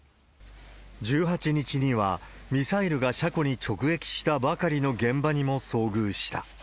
１８日には、ミサイルが車庫に直撃したばかりの現場にも遭遇した。